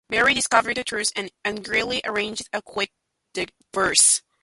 Mary discovers the truth and angrily arranges a quick divorce.